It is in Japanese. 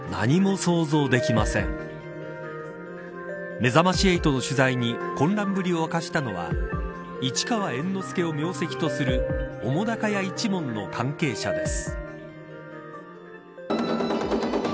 めざまし８の取材に混乱ぶりを明かしたのは市川猿之助を名跡とする澤瀉屋一門の関係者です。